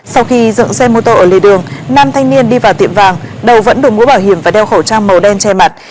sau khi dựng xe mô tô ở lề đường nam thanh niên đi vào tiệm vàng đầu vẫn đủ mũ bảo hiểm và đeo khẩu trang màu đen che mặt